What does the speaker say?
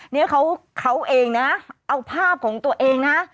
เนี่ยเขาเองนะเอาภาพของตัวเองนะ